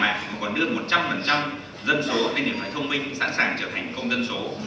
mà còn đưa một trăm linh dân số lên điện thoại thông minh sẵn sàng trở thành công dân số